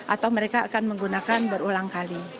atau mereka akan menggunakan berulang kali